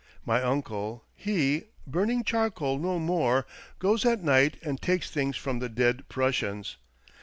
My uncle, he, burning charcoal no more, goes at night, and takes things from the dead Prussians.